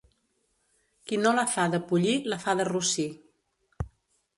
Qui no la fa de pollí, la fa de rossí.